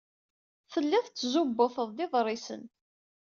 Telliḍ tettzubuteḍ-d iḍrisen.